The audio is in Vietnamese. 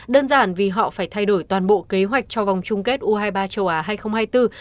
đơn giản vì họ phải thay đổi toàn bộ kế hoạch cho vòng chung kết u hai mươi ba châu á hai nghìn hai mươi bốn